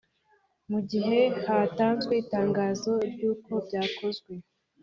mu gihe hatanzwe itangazo ry uko byakozwe